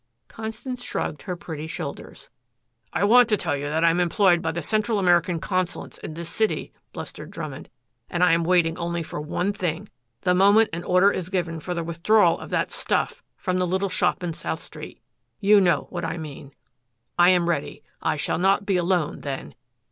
Constance shrugged her pretty shoulders. "I want to tell you that I am employed by the Central American consulates in this city," blustered Drummond. "And I am waiting only for one thing. The moment an order is given for the withdrawal of that stuff from the little shop in South Street you know what I mean I am ready. I shall not be alone, then.